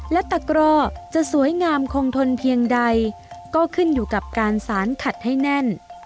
และตะกร่อจะสวยงามคงทนเพียงใดก็ขึ้นอยู่กับการสารขัดให้แน่น